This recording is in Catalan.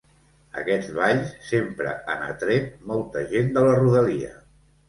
Aquests balls sempre han atret molta gent de la rodalia.